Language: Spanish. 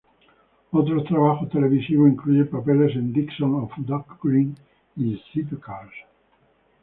Otros trabajos televisivos incluyen papeles en "Dixon of Dock Green" y "Z-Cars".